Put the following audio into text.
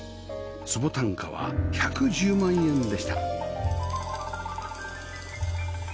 坪単価は１１０万円でした